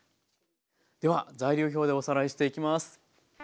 では材料表でおさらいしていきます。